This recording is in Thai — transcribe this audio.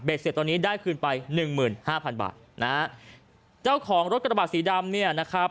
เสร็จตอนนี้ได้คืนไปหนึ่งหมื่นห้าพันบาทนะฮะเจ้าของรถกระบาดสีดำเนี่ยนะครับ